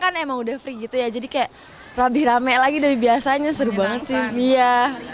kan emang udah free gitu ya jadi kayak rame rame lagi dari biasanya seru banget sih mia